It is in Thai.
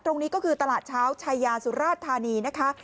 ตรงนี้ก็คือตลาดเช้าชายาสุราชธานีนะคะ